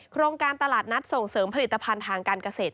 โครงการตลาดนัดส่งเสริมผลิตภัณฑ์ทางการเกษตร